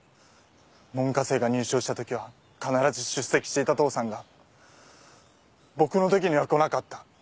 門下生が入賞したときは必ず出席していた父さんが僕のときには来なかった。